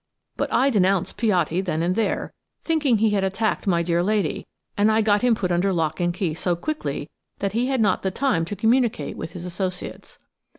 But I denounced Piatti then and there, thinking he had attacked my dear lady, and I got him put under lock and key so quickly that he had not the time to communicate with his associates.